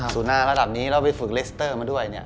สู่หน้าระดับนี้แล้วไปฝึกเลสเตอร์มาด้วย